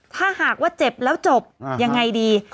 ถ้าหากว่าเจ็บแล้วจบยังไงดี